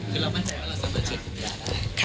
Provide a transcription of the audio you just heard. คือเรามั่นใจว่าเราจะเสร็จสัญญาได้ค่ะ